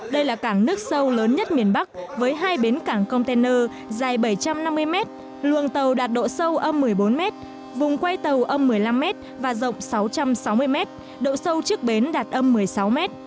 đây là cảng nước sâu lớn nhất miền bắc với hai bến cảng container dài bảy trăm năm mươi mét luồng tàu đạt độ sâu âm một mươi bốn mét vùng quay tàu âm một mươi năm m và rộng sáu trăm sáu mươi m độ sâu trước bến đạt âm một mươi sáu m